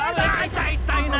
痛い痛いな！